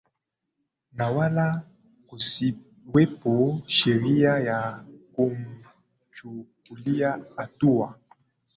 na wala kusiwepo sheria ya kumchukulia hatua